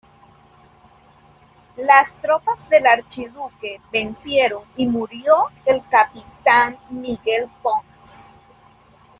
Las tropas del archiduque vencieron y murió el capitán Miguel Pons.